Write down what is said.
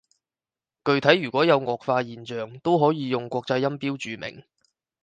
具體如果有顎化現象，都可以用國際音標注明